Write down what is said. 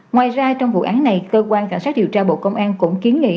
ngoài ra trong vụ án này cơ quan cảnh sát điều tra bộ công an cũng kiến nghị